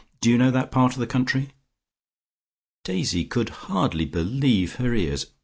Do you know that part of the country?" Daisy could hardly believe her ears.